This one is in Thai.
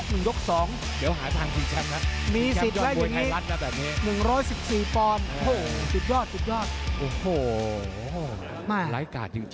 เป็นบวยปั้นของ๑๐ยอดบวยไทยรัฐเลยนะครับคุณผู้ชม